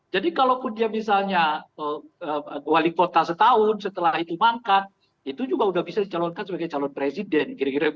jadi kalau pun dia misalnya wali kota setahun setelah itu mangkat itu juga sudah bisa dicalonkan sebagai calon presiden